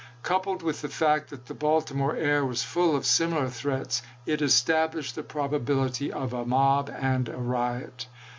Coupled with the fact that the Baltimore air was full of similar threats, it established the probability of a mob and a riot.